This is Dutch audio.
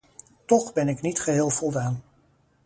Toch ben ik niet geheel voldaan.